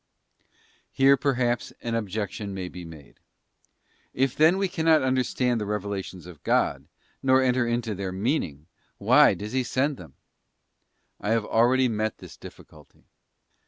f Here, perhaps, an objection may be made: If then we cannot understand the revelations of God, nor enter into their meaning, why does He send them? I have already met this difficulty.